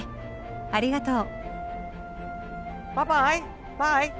ありがとう。